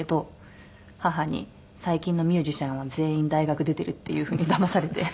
母に「最近のミュージシャンは全員大学出てる」っていう風にだまされて。